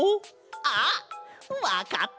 あっわかった！